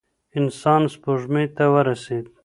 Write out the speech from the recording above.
انسان سپوږمۍ ته ورسېد.